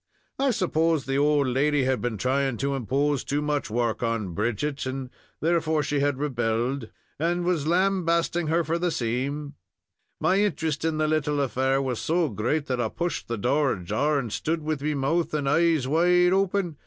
I supposed the old lady had been trying to impose too much work on Bridget, and, therefore, she had rebelled, and was lambasting her for the same. My interest in the little affair was so great, that I pushed the door ajar, and stood with me mouth and eyes wide open.